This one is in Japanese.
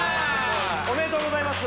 おめでとうございます